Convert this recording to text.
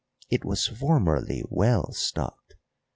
It was formerly well stocked.